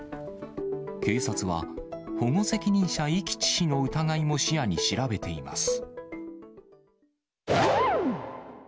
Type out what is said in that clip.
警察は、保護責任者遺棄致死の疑いも視野に調べています。